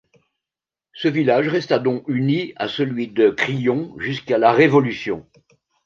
Ce village resta donc uni à celui de Crillon jusqu'à la Révolution.